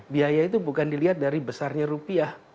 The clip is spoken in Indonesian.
biaya itu bukan dilihat dari besarnya rupiah